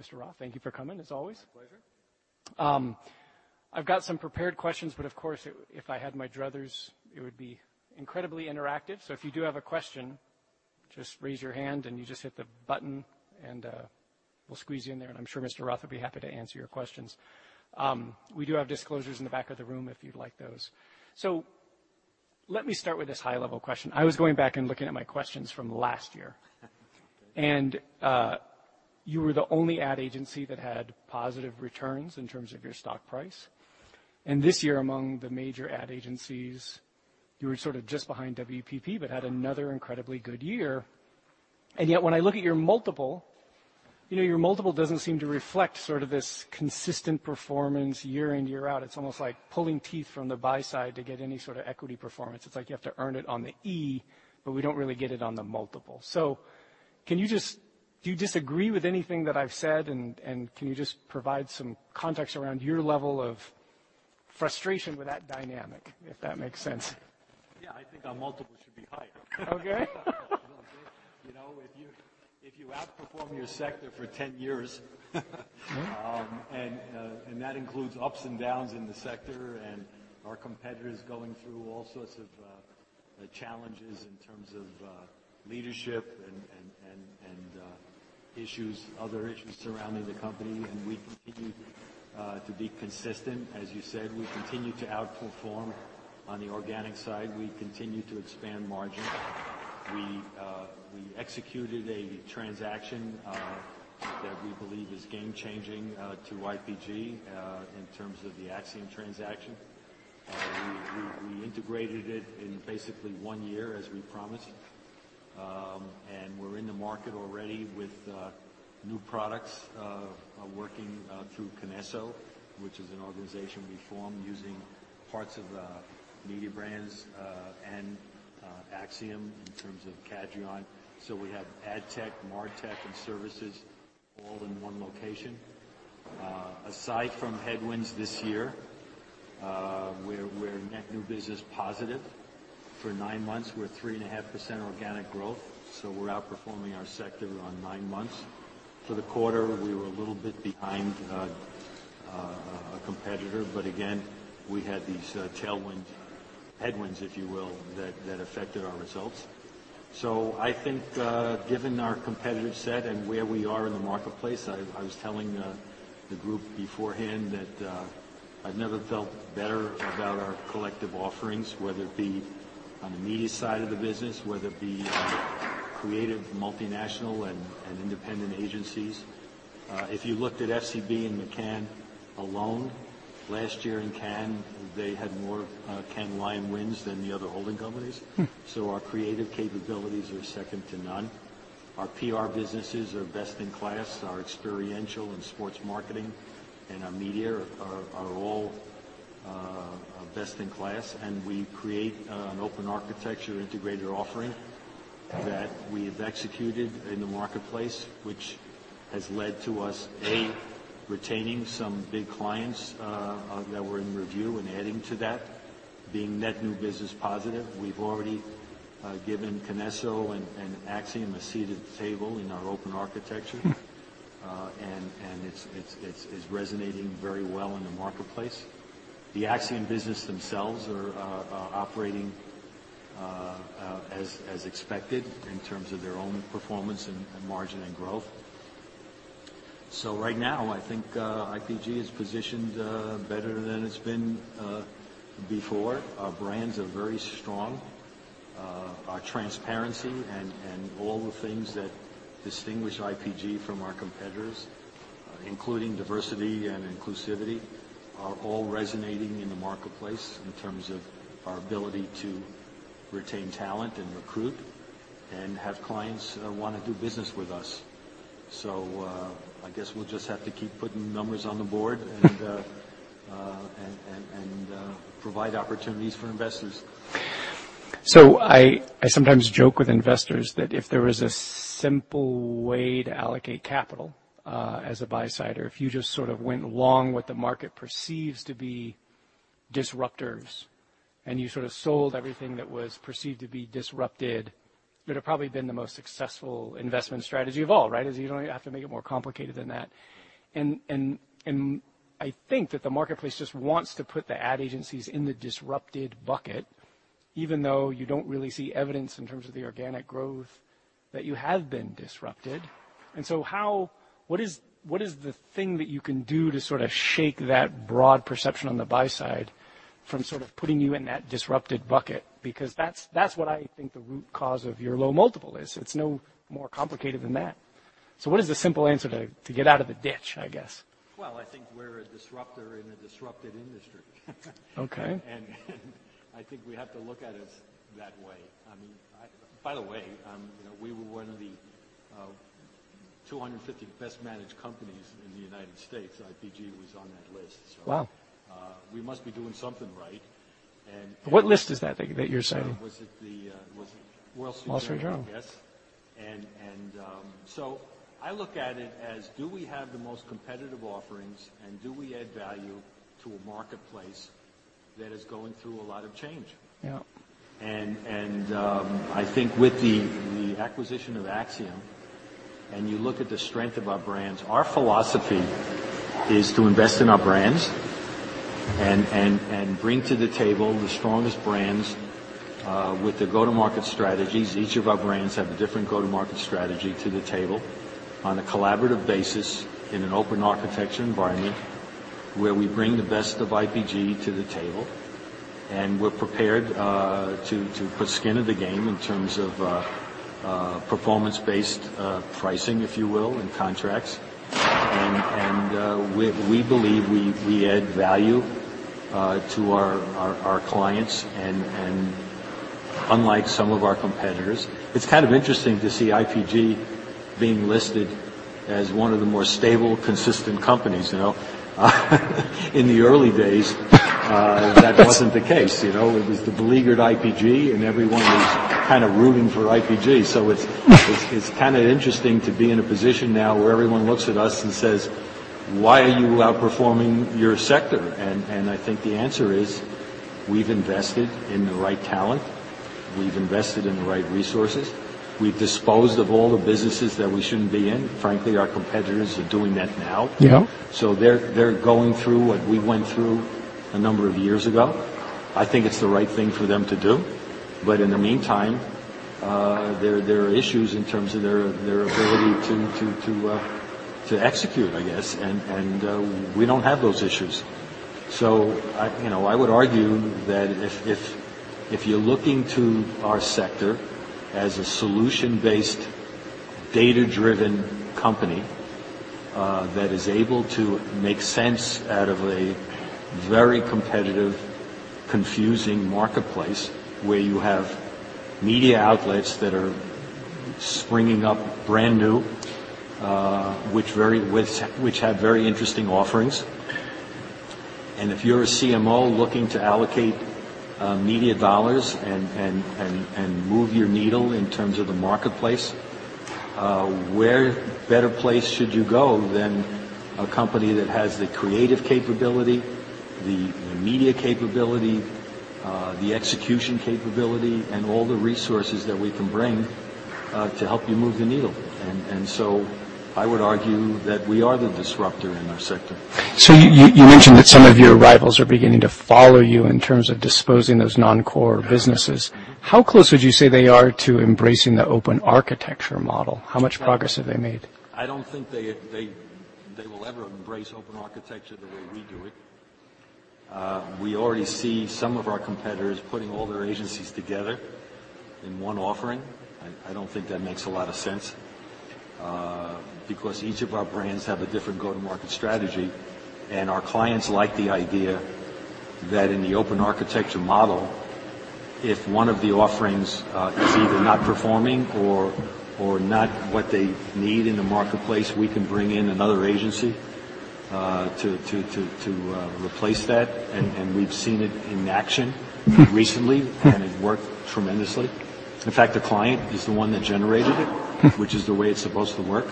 Mr. Roth, thank you for coming, as always. My pleasure. I've got some prepared questions, but of course, if I had my druthers, it would be incredibly interactive. So if you do have a question, just raise your hand and you just hit the button, and we'll squeeze you in there. And I'm sure Mr. Roth would be happy to answer your questions. We do have disclosures in the back of the room if you'd like those. So let me start with this high-level question. I was going back and looking at my questions from last year. And you were the only ad agency that had positive returns in terms of your stock price. And this year, among the major ad agencies, you were sort of just behind WPP but had another incredibly good year. And yet, when I look at your multiple, your multiple doesn't seem to reflect sort of this consistent performance year in, year out. It's almost like pulling teeth from the buy side to get any sort of equity performance. It's like you have to earn it on the E, but we don't really get it on the multiple. So can you just, do you disagree with anything that I've said? And can you just provide some context around your level of frustration with that dynamic, if that makes sense? Yeah. I think our multiple should be higher. Okay. If you outperform your sector for 10 years, and that includes ups and downs in the sector, and our competitors going through all sorts of challenges in terms of leadership and other issues surrounding the company. And we continue to be consistent. As you said, we continue to outperform on the organic side. We continue to expand margins. We executed a transaction that we believe is game-changing to IPG in terms of the Acxiom transaction. We integrated it in basically one year, as we promised. And we're in the market already with new products working through Kinesso, which is an organization we formed using parts of Mediabrands and Acxiom in terms of Cadreon. So we have AdTech, MarTech, and services all in one location. Aside from headwinds this year, we're net new business positive. For nine months, we're 3.5% organic growth. So we're outperforming our sector on nine months. For the quarter, we were a little bit behind a competitor. But again, we had these tailwinds, headwinds, if you will, that affected our results. So I think, given our competitive set and where we are in the marketplace, I was telling the group beforehand that I've never felt better about our collective offerings, whether it be on the media side of the business, whether it be creative multinational and independent agencies. If you looked at FCB and McCann alone, last year in Cannes, they had more Cannes Lions wins than the other holding companies. So our creative capabilities are second to none. Our PR businesses are best in class. Our experiential and sports marketing and our media are all best in class. We create an open architecture integrated offering that we have executed in the marketplace, which has led to us, A, retaining some big clients that were in review and adding to that, being net new business positive. We've already given Kinesso and Acxiom a seat at the table in our open architecture. It's resonating very well in the marketplace. The Acxiom business themselves are operating as expected in terms of their own performance and margin and growth. Right now, I think IPG is positioned better than it's been before. Our brands are very strong. Our transparency and all the things that distinguish IPG from our competitors, including diversity and inclusivity, are all resonating in the marketplace in terms of our ability to retain talent and recruit and have clients want to do business with us. So I guess we'll just have to keep putting numbers on the board and provide opportunities for investors. So I sometimes joke with investors that if there was a simple way to allocate capital as a buy side, or if you just sort of went along with the market perceived to be disruptors and you sort of sold everything that was perceived to be disrupted, it would have probably been the most successful investment strategy of all, right? You don't have to make it more complicated than that. And I think that the marketplace just wants to put the ad agencies in the disrupted bucket, even though you don't really see evidence in terms of the organic growth that you have been disrupted. And so what is the thing that you can do to sort of shake that broad perception on the buy side from sort of putting you in that disrupted bucket? Because that's what I think the root cause of your low multiple is. It's no more complicated than that. So what is the simple answer to get out of the ditch, I guess? I think we're a disruptor in a disrupted industry. I think we have to look at it that way. I mean, by the way, we were one of the 250 best-managed companies in the United States. IPG was on that list. We must be doing something right. What list is that that you're citing? Was it the Wall Street Journal? Wall Street Journal. Yes. And so I look at it as, do we have the most competitive offerings? And do we add value to a marketplace that is going through a lot of change? Yeah. And I think with the acquisition of Acxiom, and you look at the strength of our brands, our philosophy is to invest in our brands and bring to the table the strongest brands with the go-to-market strategies. Each of our brands have a different go-to-market strategy to the table on a collaborative basis in an open architecture environment where we bring the best of IPG to the table. And we're prepared to put skin in the game in terms of performance-based pricing, if you will, and contracts. And we believe we add value to our clients. And unlike some of our competitors, it's kind of interesting to see IPG being listed as one of the more stable, consistent companies. In the early days, that wasn't the case. It was the beleaguered IPG, and everyone was kind of rooting for IPG. So it's kind of interesting to be in a position now where everyone looks at us and says, "Why are you outperforming your sector?" And I think the answer is we've invested in the right talent. We've invested in the right resources. We've disposed of all the businesses that we shouldn't be in. Frankly, our competitors are doing that now. So they're going through what we went through a number of years ago. I think it's the right thing for them to do. But in the meantime, there are issues in terms of their ability to execute, I guess. And we don't have those issues. So I would argue that if you're looking to our sector as a solution-based, data-driven company that is able to make sense out of a very competitive, confusing marketplace where you have media outlets that are springing up brand new, which have very interesting offerings. If you're a CMO looking to allocate media dollars and move your needle in terms of the marketplace, where better place should you go than a company that has the creative capability, the media capability, the execution capability, and all the resources that we can bring to help you move the needle? So I would argue that we are the disruptor in our sector. So you mentioned that some of your rivals are beginning to follow you in terms of disposing of those non-core businesses. How close would you say they are to embracing the open architecture model? How much progress have they made? I don't think they will ever embrace open architecture the way we do it. We already see some of our competitors putting all their agencies together in one offering. I don't think that makes a lot of sense because each of our brands have a different go-to-market strategy, and our clients like the idea that in the open architecture model, if one of the offerings is either not performing or not what they need in the marketplace, we can bring in another agency to replace that, and we've seen it in action recently, and it worked tremendously. In fact, the client is the one that generated it, which is the way it's supposed to work.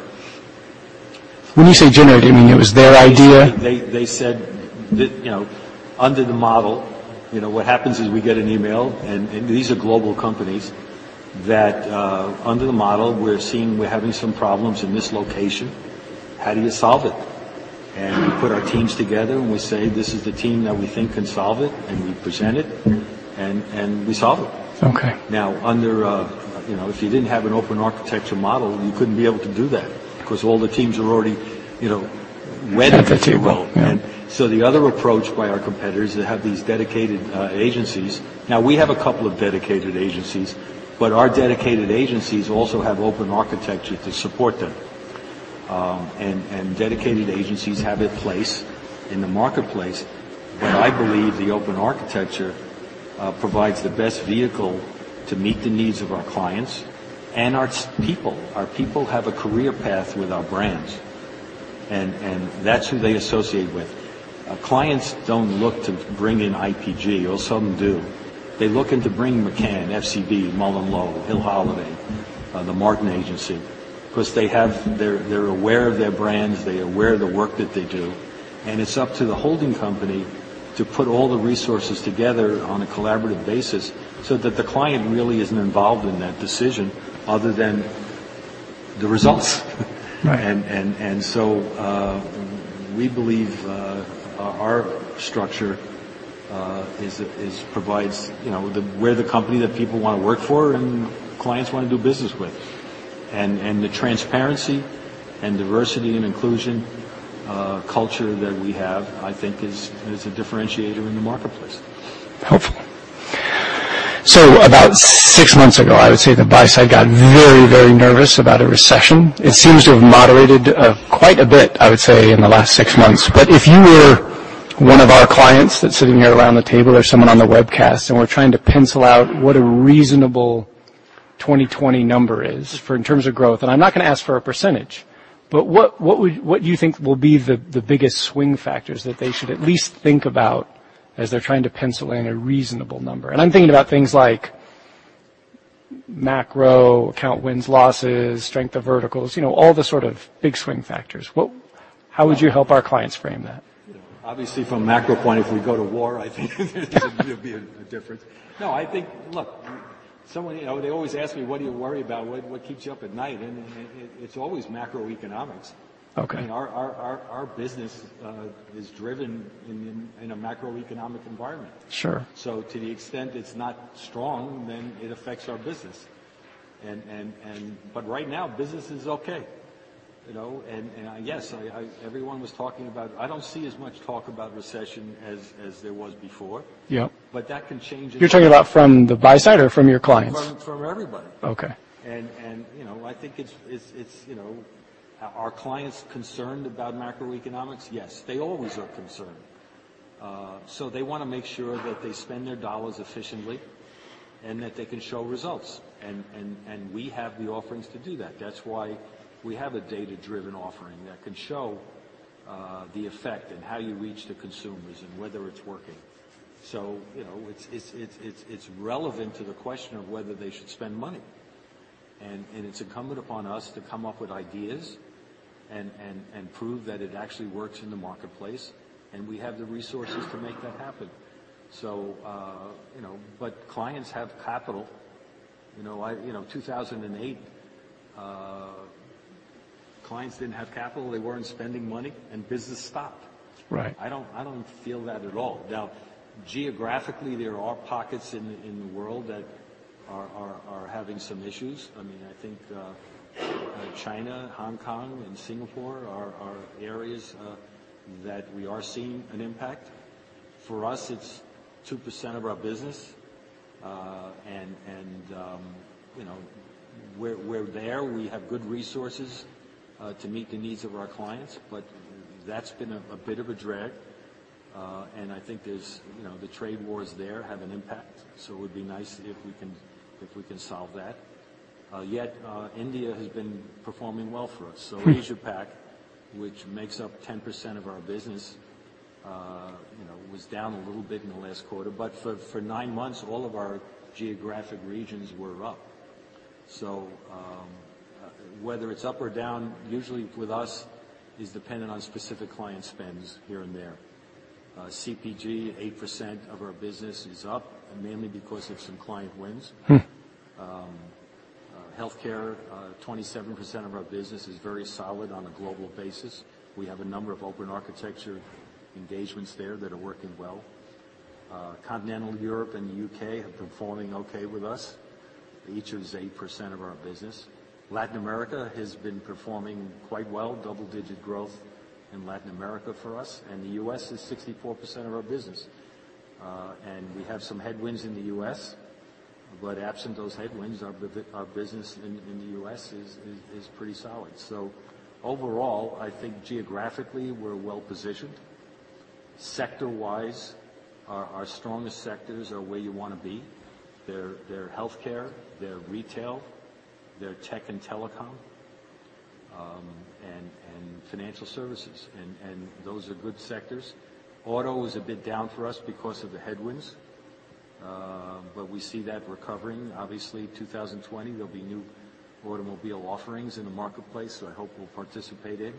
When you say generated, you mean it was their idea? They said that under the model, what happens is we get an email, and these are global companies that under the model, we're seeing we're having some problems in this location. How do you solve it, and we put our teams together, and we say, "This is the team that we think can solve it," and we present it, and we solve it. Now, if you didn't have an open architecture model, you couldn't be able to do that because all the teams are already wedded to it. Competitively. The other approach by our competitors is they have these dedicated agencies. Now, we have a couple of dedicated agencies, but our dedicated agencies also have open architecture to support them. Dedicated agencies have a place in the marketplace. I believe the open architecture provides the best vehicle to meet the needs of our clients and our people. Our people have a career path with our brands, and that's who they associate with. Clients don't look to bring in IPG. All of a sudden, they do. They look into bringing McCann, FCB, MullenLowe, Hill Holliday, The Martin Agency because they're aware of their brands. They're aware of the work that they do. It's up to the holding company to put all the resources together on a collaborative basis so that the client really isn't involved in that decision other than the results. And so we believe our structure provides where the company that people want to work for and clients want to do business with. And the transparency and diversity and inclusion culture that we have, I think, is a differentiator in the marketplace. Helpful. So about six months ago, I would say the buy side got very, very nervous about a recession. It seems to have moderated quite a bit, I would say, in the last six months. But if you were one of our clients that's sitting here around the table or someone on the webcast, and we're trying to pencil out what a reasonable 2020 number is in terms of growth, and I'm not going to ask for a percentage, but what do you think will be the biggest swing factors that they should at least think about as they're trying to pencil in a reasonable number? And I'm thinking about things like macro, account wins, losses, strength of verticals, all the sort of big swing factors. How would you help our clients frame that? Obviously, from a macro point, if we go to war, I think there'd be a difference. No, I think, look, they always ask me, "What do you worry about? What keeps you up at night?" And it's always macroeconomics. I mean, our business is driven in a macroeconomic environment. So to the extent it's not strong, then it affects our business. But right now, business is okay. And yes, everyone was talking about. I don't see as much talk about recession as there was before. But that can change in the future. You're talking about from the buy side or from your clients? From everybody. And I think it's our clients concerned about macroeconomics? Yes. They always are concerned. So they want to make sure that they spend their dollars efficiently and that they can show results. And we have the offerings to do that. That's why we have a data-driven offering that can show the effect and how you reach the consumers and whether it's working. So it's relevant to the question of whether they should spend money. And it's incumbent upon us to come up with ideas and prove that it actually works in the marketplace. And we have the resources to make that happen. But clients have capital. 2008, clients didn't have capital. They weren't spending money, and business stopped. I don't feel that at all. Now, geographically, there are pockets in the world that are having some issues. I mean, I think China, Hong Kong, and Singapore are areas that we are seeing an impact. For us, it's 2% of our business, and we're there. We have good resources to meet the needs of our clients, but that's been a bit of a drag, and I think the trade wars there have an impact, so it would be nice if we can solve that. Yet India has been performing well for us. So Asia-Pac, which makes up 10% of our business, was down a little bit in the last quarter, but for nine months, all of our geographic regions were up, so whether it's up or down, usually with us, is dependent on specific client spends here and there. CPG, 8% of our business is up, mainly because of some client wins. Healthcare, 27% of our business is very solid on a global basis. We have a number of open architecture engagements there that are working well. Continental Europe and the U.K. are performing okay with us. Each is 8% of our business. Latin America has been performing quite well, double-digit growth in Latin America for us. And the U.S. is 64% of our business. And we have some headwinds in the U.S. But absent those headwinds, our business in the U.S. is pretty solid. So overall, I think geographically, we're well-positioned. Sector-wise, our strongest sectors are where you want to be. They're healthcare, they're retail, they're tech and telecom, and financial services. And those are good sectors. Auto is a bit down for us because of the headwinds. But we see that recovering. Obviously, 2020, there'll be new automobile offerings in the marketplace that I hope will participate in.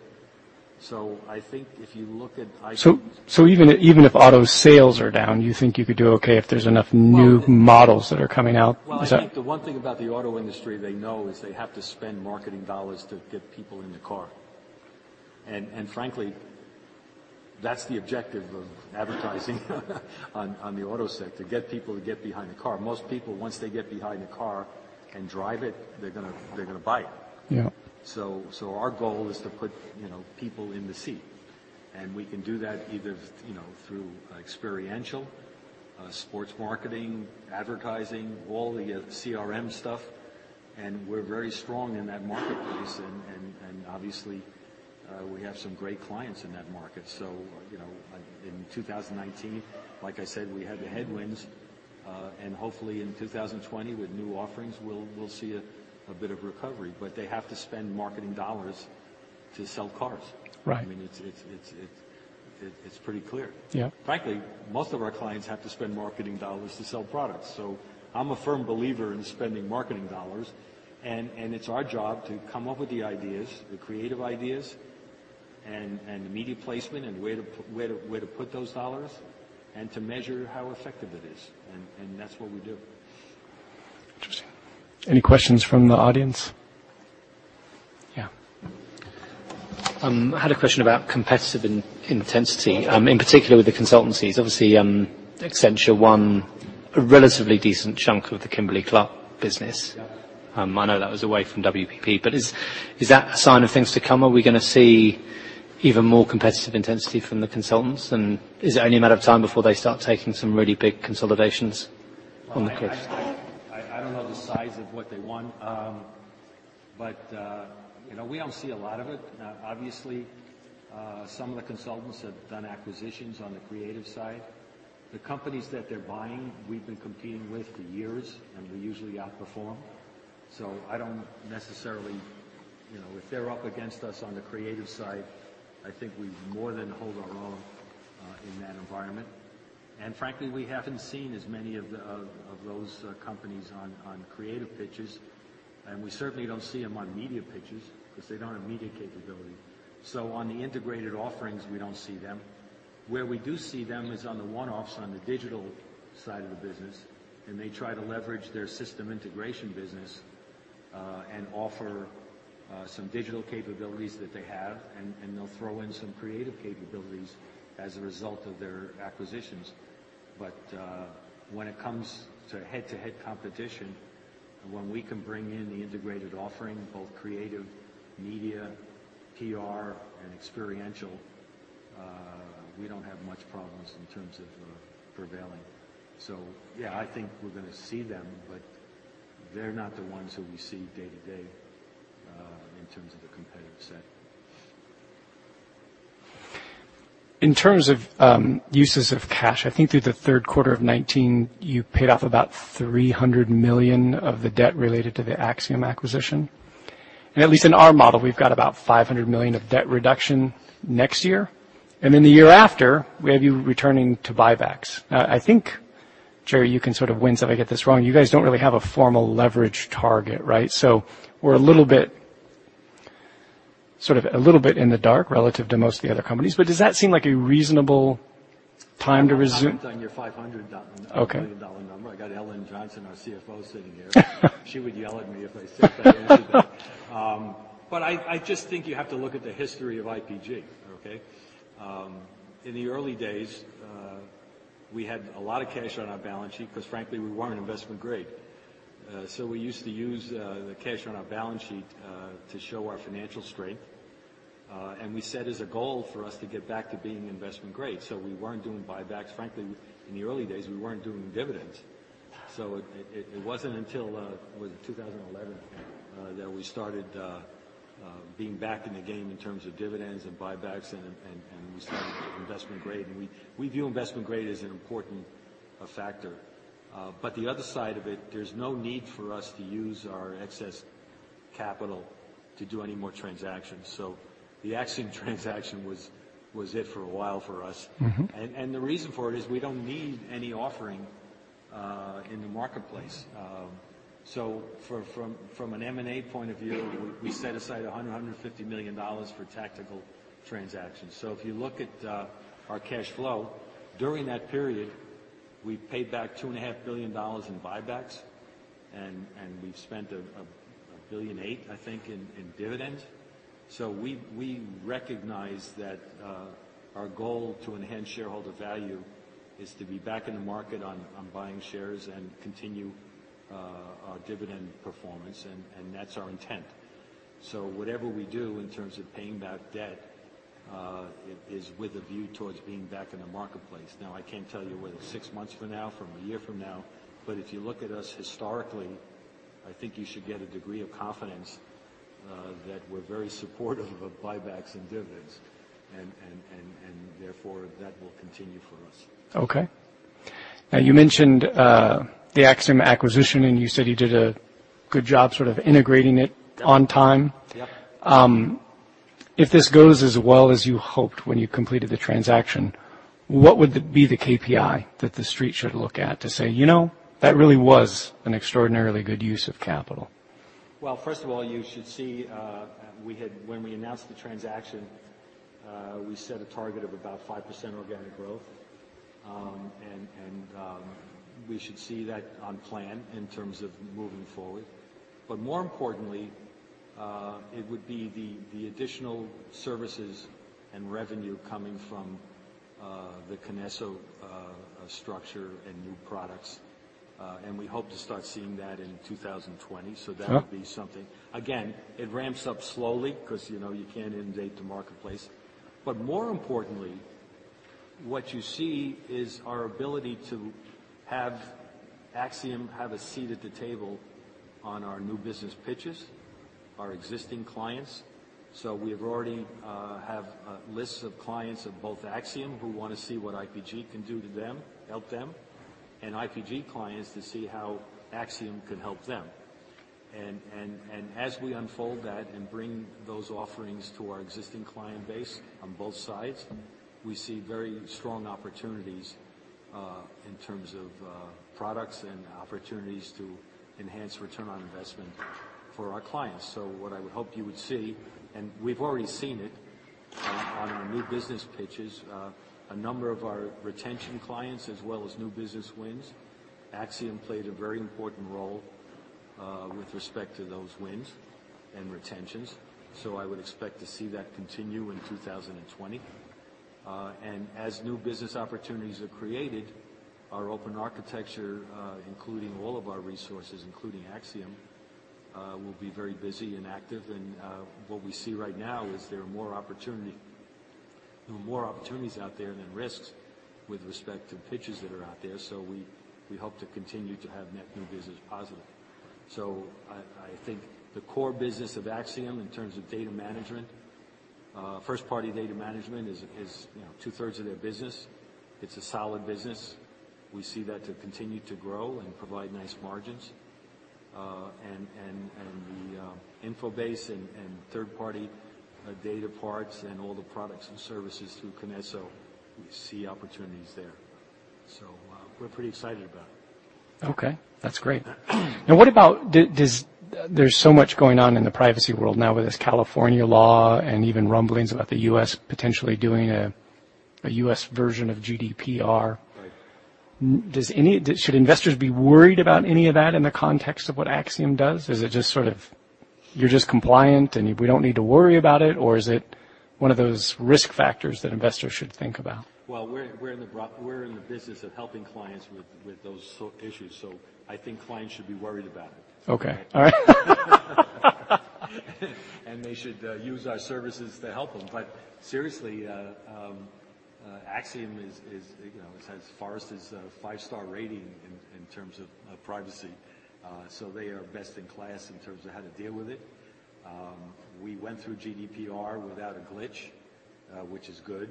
So I think if you look at. So even if auto sales are down, you think you could do okay if there's enough new models that are coming out? I think the one thing about the auto industry they know is they have to spend marketing dollars to get people in the car, and frankly, that's the objective of advertising on the auto sector, get people to get behind the car. Most people, once they get behind the car and drive it, they're going to buy it, so our goal is to put people in the seat, and we can do that either through experiential, sports marketing, advertising, all the CRM stuff, and we're very strong in that marketplace, and obviously, we have some great clients in that market, so in 2019, like I said, we had the headwinds, and hopefully, in 2020, with new offerings, we'll see a bit of recovery, but they have to spend marketing dollars to sell cars. I mean, it's pretty clear. Frankly, most of our clients have to spend marketing dollars to sell products. So I'm a firm believer in spending marketing dollars. And it's our job to come up with the ideas, the creative ideas, and the media placement and where to put those dollars and to measure how effective it is. And that's what we do. Interesting. Any questions from the audience? Yeah. I had a question about competitive intensity, in particular with the consultancies. Obviously, Accenture won a relatively decent chunk of the Kimberly-Clark business. I know that was away from WPP. But is that a sign of things to come? Are we going to see even more competitive intensity from the consultants? And is it only a matter of time before they start taking some really big consolidations on the case? I don't know the size of what they won, but we don't see a lot of it. Now, obviously, some of the consultants have done acquisitions on the creative side. The companies that they're buying, we've been competing with for years, and we usually outperform, so I don't necessarily if they're up against us on the creative side. I think we more than hold our own in that environment, and frankly, we haven't seen as many of those companies on creative pitches, and we certainly don't see them on media pitches because they don't have media capability. So on the integrated offerings, we don't see them. Where we do see them is on the one-offs on the digital side of the business, and they try to leverage their system integration business and offer some digital capabilities that they have. And they'll throw in some creative capabilities as a result of their acquisitions. But when it comes to head-to-head competition, when we can bring in the integrated offering, both creative, media, PR, and experiential, we don't have much problems in terms of prevailing. So yeah, I think we're going to see them, but they're not the ones who we see day-to-day in terms of the competitive side. In terms of uses of cash, I think through the third quarter of 2019, you paid off about $300 million of the debt related to the Acxiom acquisition, and at least in our model, we've got about $500 million of debt reduction next year, and then the year after, we have you returning to buybacks. I think, Jerry, you can sort of weigh in so I don't get this wrong. You guys don't really have a formal leverage target, right? We're a little bit sort of in the dark relative to most of the other companies, but does that seem like a reasonable time to resume? I'm not done your $500 million number. I got Ellen Johnson, our CFO, sitting here. She would yell at me if I said that, but I just think you have to look at the history of IPG, okay? In the early days, we had a lot of cash on our balance sheet because, frankly, we weren't investment grade. So we used to use the cash on our balance sheet to show our financial strength, and we set as a goal for us to get back to being investment grade, so we weren't doing buybacks. Frankly, in the early days, we weren't doing dividends, so it wasn't until 2011 that we started being back in the game in terms of dividends and buybacks, and we started investment grade. And we view investment grade as an important factor. But the other side of it, there's no need for us to use our excess capital to do any more transactions. So the Acxiom transaction was it for a while for us. And the reason for it is we don't need any offering in the marketplace. So from an M&A point of view, we set aside $100-$150 million for tactical transactions. So if you look at our cash flow, during that period, we paid back $2.5 billion in buybacks. And we've spent $1.8 billion, I think, in dividends. So we recognize that our goal to enhance shareholder value is to be back in the market on buying shares and continue our dividend performance. And that's our intent. So whatever we do in terms of paying back debt is with a view towards being back in the marketplace. Now, I can't tell you whether six months from now, from a year from now, but if you look at us historically, I think you should get a degree of confidence that we're very supportive of buybacks and dividends, and therefore that will continue for us. Okay. Now, you mentioned the Acxiom acquisition, and you said you did a good job sort of integrating it on time. If this goes as well as you hoped when you completed the transaction, what would be the KPI that the street should look at to say, "You know, that really was an extraordinarily good use of capital"? First of all, you should see when we announced the transaction, we set a target of about 5% organic growth. And we should see that on plan in terms of moving forward. But more importantly, it would be the additional services and revenue coming from the Kinesso structure and new products. And we hope to start seeing that in 2020. So that would be something. Again, it ramps up slowly because you can't inundate the marketplace. But more importantly, what you see is our ability to have Acxiom have a seat at the table on our new business pitches, our existing clients. So we already have lists of clients of both Acxiom who want to see what IPG can do to them, help them, and IPG clients to see how Acxiom can help them. And as we unfold that and bring those offerings to our existing client base on both sides, we see very strong opportunities in terms of products and opportunities to enhance return on investment for our clients. So what I would hope you would see, and we've already seen it on our new business pitches, a number of our retention clients as well as new business wins. Acxiom played a very important role with respect to those wins and retentions. So I would expect to see that continue in 2020. And as new business opportunities are created, our open architecture, including all of our resources, including Acxiom, will be very busy and active. And what we see right now is there are more opportunities out there than risks with respect to pitches that are out there. So we hope to continue to have net new business positive. So I think the core business of Acxiom in terms of data management, first-party data management, is two-thirds of their business. It's a solid business. We see that to continue to grow and provide nice margins. And the InfoBase and third-party data parts and all the products and services through Kinesso, we see opportunities there. So we're pretty excited about it. Okay. That's great. Now, what about there's so much going on in the privacy world now with this California law and even rumblings about the U.S. potentially doing a U.S. version of GDPR? Should investors be worried about any of that in the context of what Acxiom does? Is it just sort of you're just compliant and we don't need to worry about it? Or is it one of those risk factors that investors should think about? We're in the business of helping clients with those issues. I think clients should be worried about it. Okay. All right. They should use our services to help them. But seriously, Acxiom has as far as its five-star rating in terms of privacy. So they are best in class in terms of how to deal with it. We went through GDPR without a glitch, which is good.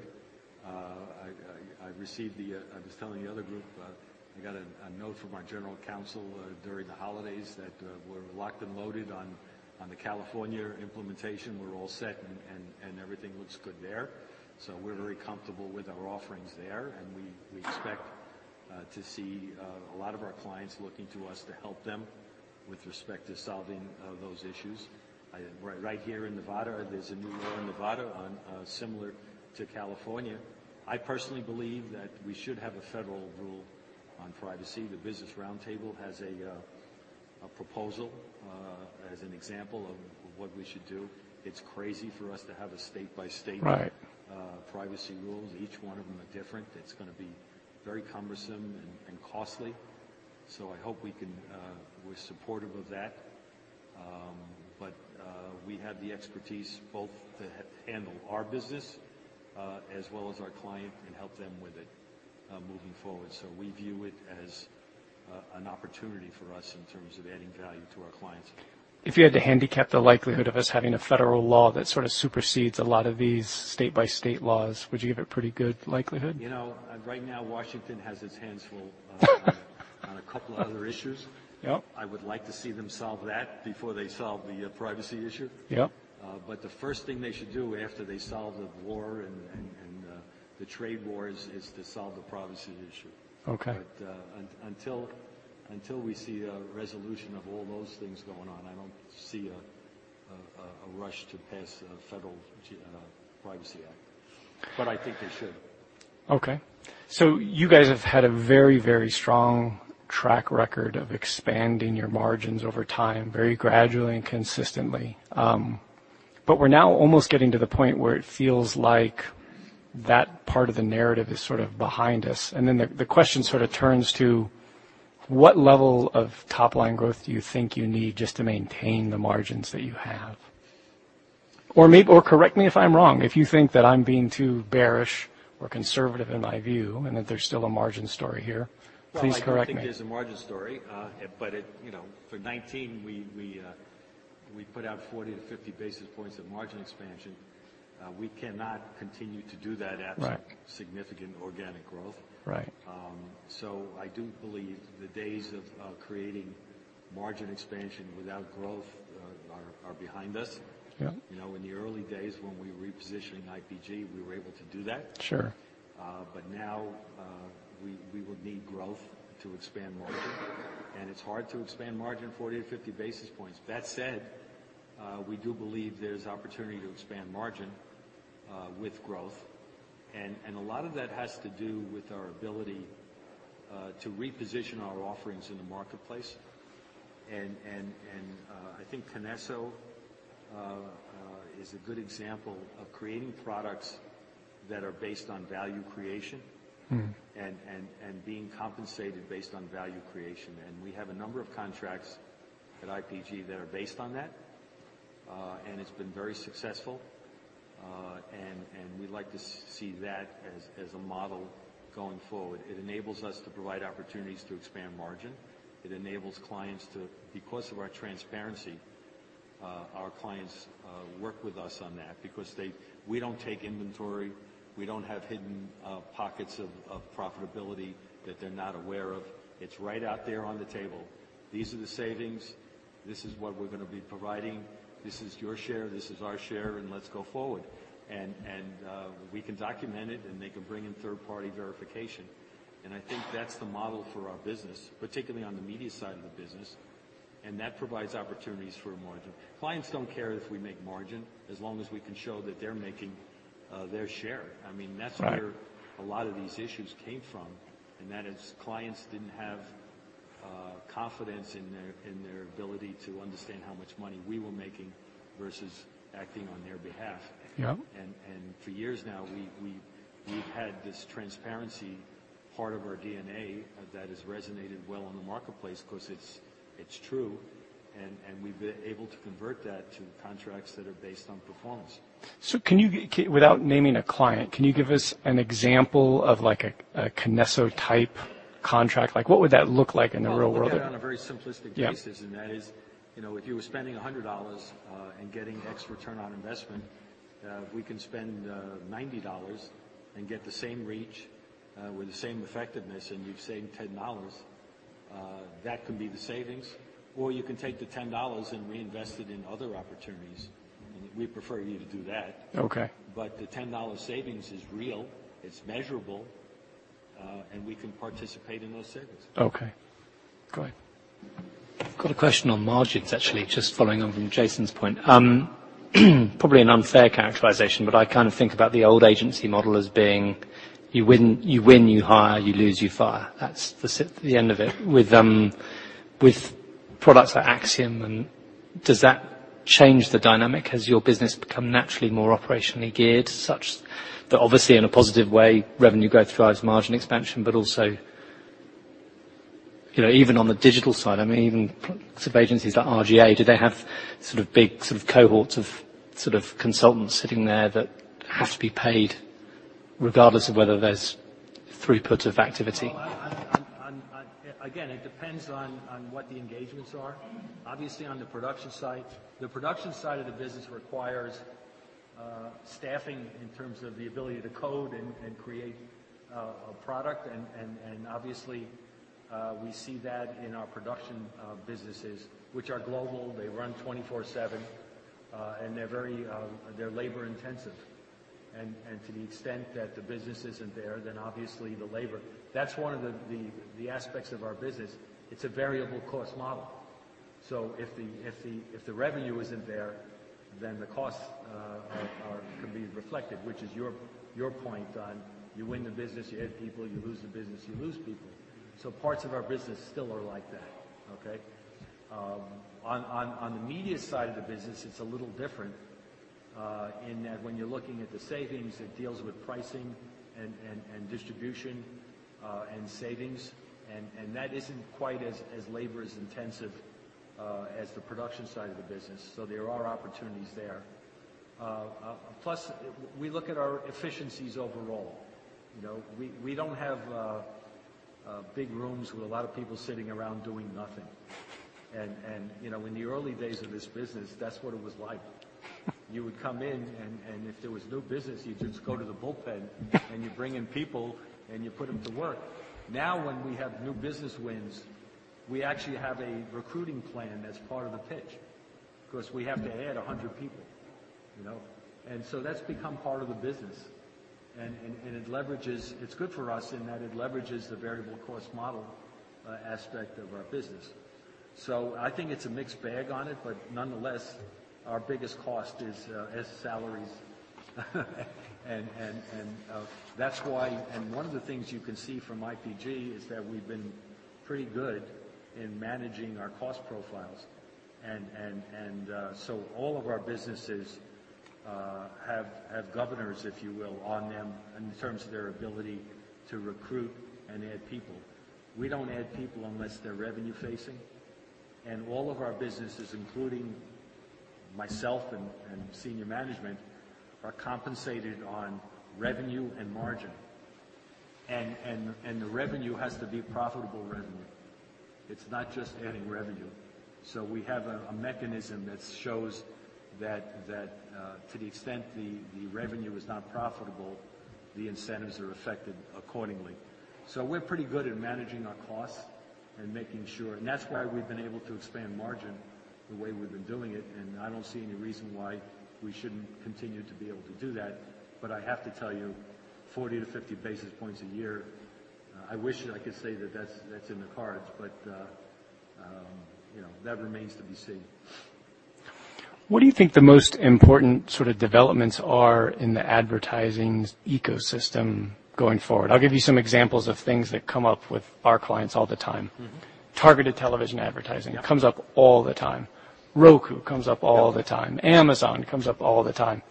I received. I was telling the other group, I got a note from our general counsel during the holidays that we're locked and loaded on the California implementation. We're all set and everything looks good there. So we're very comfortable with our offerings there. And we expect to see a lot of our clients looking to us to help them with respect to solving those issues. Right here in Nevada, there's a new law in Nevada similar to California. I personally believe that we should have a federal rule on privacy. The Business Roundtable has a proposal as an example of what we should do. It's crazy for us to have a state-by-state privacy rules. Each one of them are different. It's going to be very cumbersome and costly. So I hope we're supportive of that. But we have the expertise both to handle our business as well as our client and help them with it moving forward. So we view it as an opportunity for us in terms of adding value to our clients. If you had to handicap the likelihood of us having a federal law that sort of supersedes a lot of these state-by-state laws, would you give it pretty good likelihood? You know, right now, Washington has its hands full on a couple of other issues. I would like to see them solve that before they solve the privacy issue. But the first thing they should do after they solve the war and the trade wars is to solve the privacy issue. But until we see a resolution of all those things going on, I don't see a rush to pass a federal privacy act. But I think they should. Okay. So you guys have had a very, very strong track record of expanding your margins over time, very gradually and consistently. But we're now almost getting to the point where it feels like that part of the narrative is sort of behind us. And then the question sort of turns to what level of top-line growth do you think you need just to maintain the margins that you have? Or correct me if I'm wrong. If you think that I'm being too bearish or conservative in my view and that there's still a margin story here, please correct me. Well, I don't think there's a margin story. But for 2019, we put out 40-50 basis points of margin expansion. We cannot continue to do that after significant organic growth. So I do believe the days of creating margin expansion without growth are behind us. In the early days when we were repositioning IPG, we were able to do that. But now we will need growth to expand margin. And it's hard to expand margin 40-50 basis points. That said, we do believe there's opportunity to expand margin with growth. And a lot of that has to do with our ability to reposition our offerings in the marketplace. And I think Kinesso is a good example of creating products that are based on value creation and being compensated based on value creation. And we have a number of contracts at IPG that are based on that. It's been very successful. We'd like to see that as a model going forward. It enables us to provide opportunities to expand margin. It enables clients to, because of our transparency, our clients work with us on that because we don't take inventory. We don't have hidden pockets of profitability that they're not aware of. It's right out there on the table. These are the savings. This is what we're going to be providing. This is your share. This is our share. Let's go forward. We can document it and they can bring in third-party verification. I think that's the model for our business, particularly on the media side of the business. That provides opportunities for margin. Clients don't care if we make margin as long as we can show that they're making their share. I mean, that's where a lot of these issues came from, and that is, clients didn't have confidence in their ability to understand how much money we were making versus acting on their behalf, and for years now, we've had this transparency part of our DNA that has resonated well in the marketplace because it's true, and we've been able to convert that to contracts that are based on performance. So without naming a client, can you give us an example of a Kinesso-type contract? What would that look like in the real world? I'll put it on a very simplistic basis, and that is if you were spending $100 and getting X return on investment, we can spend $90 and get the same reach with the same effectiveness, and you've saved $10. That can be the savings, or you can take the $10 and reinvest it in other opportunities, and we prefer you to do that, but the $10 savings is real. It's measurable, and we can participate in those savings. Okay. Good. Got a question on margins, actually, just following on from Jason's point. Probably an unfair characterization, but I kind of think about the old agency model as being you win, you hire, you lose, you fire. That's the end of it. With products like Acxiom, does that change the dynamic? Has your business become naturally more operationally geared such that, obviously, in a positive way, revenue growth drives margin expansion, but also even on the digital side? I mean, even sort of agencies like R/GA, do they have sort of big sort of cohorts of sort of consultants sitting there that have to be paid regardless of whether there's throughput of activity? Again, it depends on what the engagements are. Obviously, on the production side, the production side of the business requires staffing in terms of the ability to code and create a product. And obviously, we see that in our production businesses, which are global. They run 24/7. And they're labor-intensive. And to the extent that the business isn't there, then obviously the labor, that's one of the aspects of our business. It's a variable cost model. So if the revenue isn't there, then the costs can be reflected, which is your point on you win the business, you add people, you lose the business, you lose people. So parts of our business still are like that. Okay? On the media side of the business, it's a little different in that when you're looking at the savings, it deals with pricing and distribution and savings. That isn't quite as labor-intensive as the production side of the business. So there are opportunities there. Plus, we look at our efficiencies overall. We don't have big rooms with a lot of people sitting around doing nothing. And in the early days of this business, that's what it was like. You would come in, and if there was new business, you'd just go to the bullpen and you'd bring in people and you'd put them to work. Now, when we have new business wins, we actually have a recruiting plan that's part of the pitch because we have to add 100 people. And so that's become part of the business. And it leverages. It's good for us in that it leverages the variable cost model aspect of our business. So I think it's a mixed bag on it, but nonetheless, our biggest cost is salaries. That's why one of the things you can see from IPG is that we've been pretty good in managing our cost profiles. All of our businesses have governors, if you will, on them in terms of their ability to recruit and add people. We don't add people unless they're revenue-facing. All of our businesses, including myself and senior management, are compensated on revenue and margin. The revenue has to be profitable revenue. It's not just adding revenue. We have a mechanism that shows that to the extent the revenue is not profitable, the incentives are affected accordingly. We're pretty good at managing our costs and making sure. That's why we've been able to expand margin the way we've been doing it. I don't see any reason why we shouldn't continue to be able to do that. But I have to tell you, 40-50 basis points a year. I wish I could say that that's in the cards, but that remains to be seen. What do you think the most important sort of developments are in the advertising ecosystem going forward? I'll give you some examples of things that come up with our clients all the time. Targeted television advertising comes up all the time. Roku comes up all the time. Amazon comes up all the time.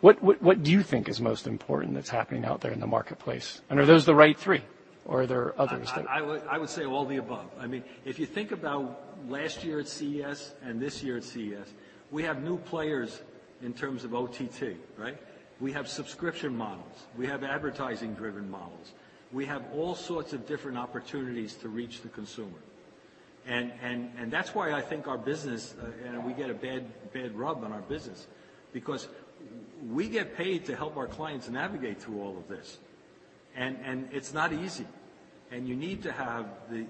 What do you think is most important that's happening out there in the marketplace? And are those the right three? Or are there others? I would say all the above. I mean, if you think about last year at CES and this year at CES, we have new players in terms of OTT, right? We have subscription models. We have advertising-driven models. We have all sorts of different opportunities to reach the consumer. And that's why I think our business, and we get a bad rap on our business, because we get paid to help our clients navigate through all of this. And it's not easy. And you need to have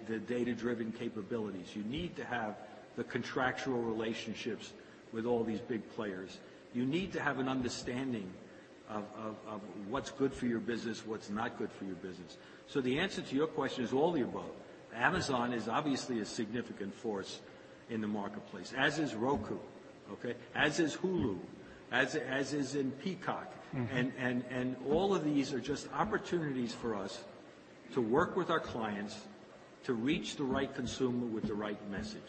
the data-driven capabilities. You need to have the contractual relationships with all these big players. You need to have an understanding of what's good for your business, what's not good for your business. So the answer to your question is all the above. Amazon is obviously a significant force in the marketplace, as is Roku, okay? As is Hulu, as is Peacock. All of these are just opportunities for us to work with our clients to reach the right consumer with the right message.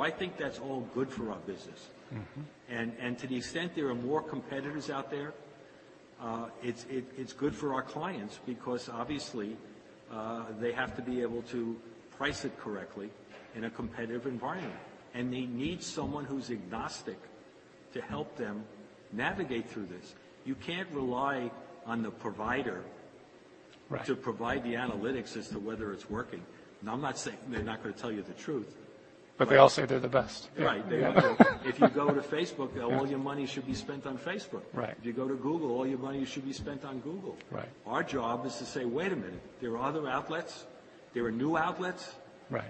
I think that's all good for our business. To the extent there are more competitors out there, it's good for our clients because obviously they have to be able to price it correctly in a competitive environment. They need someone who's agnostic to help them navigate through this. You can't rely on the provider to provide the analytics as to whether it's working. I'm not saying they're not going to tell you the truth. But they all say they're the best. Right. If you go to Facebook, all your money should be spent on Facebook. If you go to Google, all your money should be spent on Google. Our job is to say, "Wait a minute. There are other outlets. There are new outlets.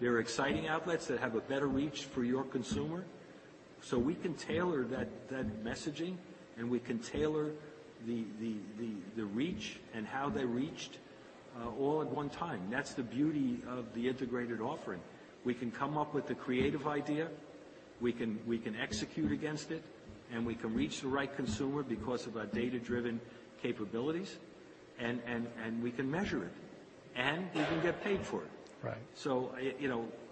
There are exciting outlets that have a better reach for your consumer." So we can tailor that messaging, and we can tailor the reach and how they reached all at one time. That's the beauty of the integrated offering. We can come up with a creative idea. We can execute against it, and we can reach the right consumer because of our data-driven capabilities, and we can measure it, and we can get paid for it. So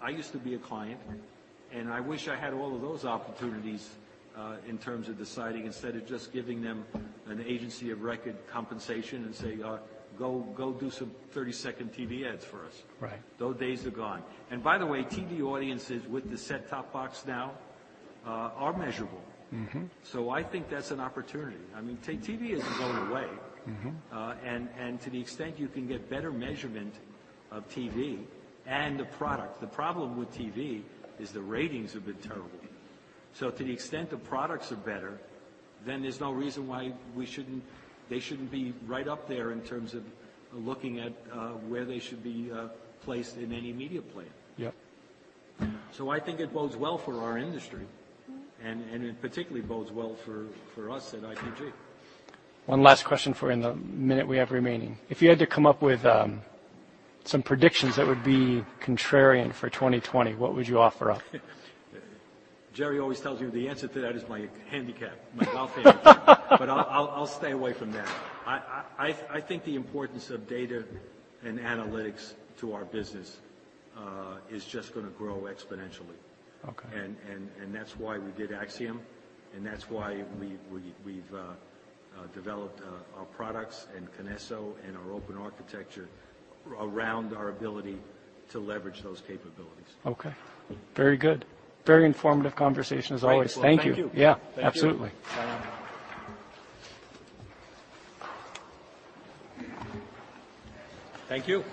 I used to be a client, and I wish I had all of those opportunities in terms of deciding instead of just giving them an agency of record compensation and say, "Go do some 30-second TV ads for us." Those days are gone. And by the way, TV audiences with the set-top box now are measurable. So I think that's an opportunity. I mean, TV isn't going away. And to the extent you can get better measurement of TV and the product, the problem with TV is the ratings have been terrible. So to the extent the products are better, then there's no reason why they shouldn't be right up there in terms of looking at where they should be placed in any media player. So I think it bodes well for our industry, and it particularly bodes well for us at IPG. One last question for you in the minute we have remaining. If you had to come up with some predictions that would be contrarian for 2020, what would you offer up? Jerry always tells me the answer to that is my handicap, my golf handicap. But I'll stay away from that. I think the importance of data and analytics to our business is just going to grow exponentially. And that's why we did Acxiom, and that's why we've developed our products and Kinesso and our open architecture around our ability to leverage those capabilities. Okay. Very good. Very informative conversation as always. Thank you. Thank you. Yeah. Absolutely. Thank you.